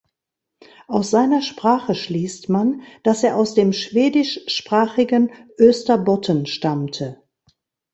Aus seiner Sprache schließt man, dass er aus dem schwedischsprachigen Österbotten stammte.